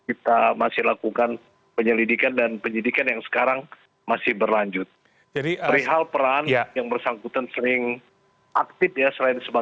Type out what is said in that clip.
kami akan mencari penangkapan teroris di wilayah hukum sleman